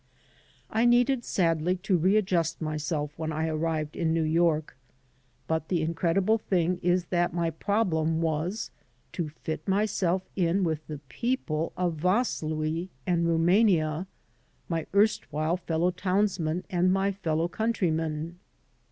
I needed sadly to readjust myself when I arrived in New York. But the incredible thing is that my problem was to fit myself in with the people of Vaslui and Rumania, my erstwhile fellow townsmen and my fellow countrymen.